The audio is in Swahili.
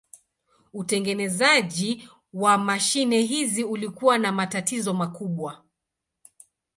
Utengenezaji wa mashine hizi ulikuwa na matatizo makubwa.